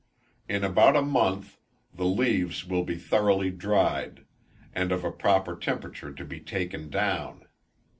In about a month the leaves will be thoroughly dried, and of a proper temperature to be taken down.